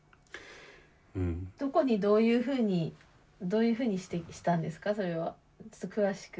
どこにどういうふうにどういうふうにしたんですかそれは？詳しく。